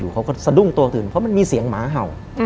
เขาก็สะดุ้งตัวตื่นเพราะมันมีเสียงหมาเห่า